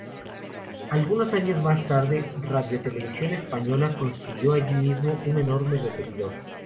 Algunos años más tarde, Radiotelevisión Española construyó allí mismo un enorme repetidor.